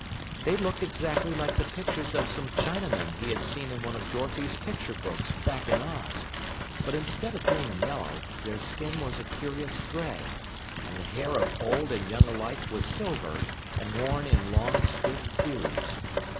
They looked exactly like the pictures of some Chinamen he had seen in one of Dorothy's picture books back in Oz, but instead of being yellow, their skin was a curious gray, and the hair of old and young alike was silver and worn in long, stiff queues.